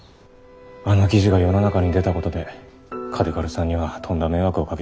あの記事が世の中に出たことで嘉手刈さんにはとんだ迷惑をかけちまった。